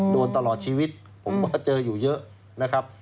โดนตลอดชีวิตผมก็เจออยู่เยอะนะครับ